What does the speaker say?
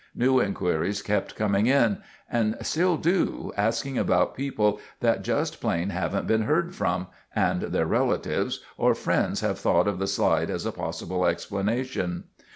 New inquiries kept coming in—and still do, asking about people that just plain haven't been heard from, and their relatives, or friends have thought of the slide as a possible explanation.